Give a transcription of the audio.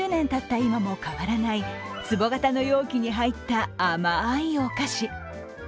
今も変わらないつぼ型の容器に入った甘いお菓子。